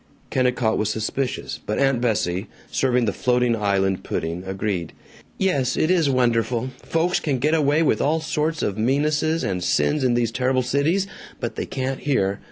Kennicott was suspicious, but Aunt Bessie, serving the floating island pudding, agreed, "Yes, it is wonderful. Folks can get away with all sorts of meannesses and sins in these terrible cities, but they can't here.